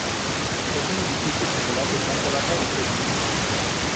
Es un edificio singular de planta baja y tres pisos.